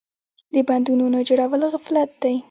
د بندونو نه جوړول غفلت دی.